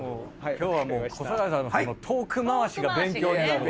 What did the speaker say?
今日はもう小堺さんのトーク回しが勉強になるわ。